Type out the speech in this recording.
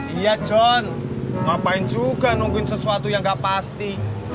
iya john ngapain juga nungguin sesuatu yang gak pasti